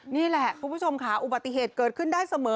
นี่แหละคุณผู้ชมค่ะอุบัติเหตุเกิดขึ้นได้เสมอ